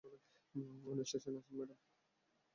উনি স্টেশনে আছেন ম্যাডাম।